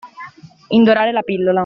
Indorare la pillola.